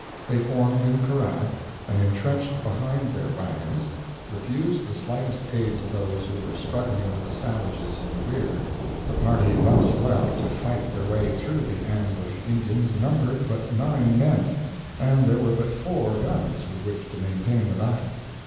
They formed in corral, and intrenched behind their wagons, refused the slightest aid to those who were struggling with the savages in the rear. The party thus left to fight their way through the ambushed Indians numbered but nine men, and there were but four guns with which to maintain the battle.